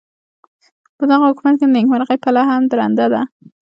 پدغه حکومت کې د نیکمرغۍ پله هم درنده ده.